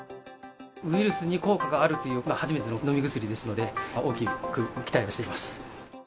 ウイルスに効果があるという、初めての飲み薬ですので、大きく期待はしています。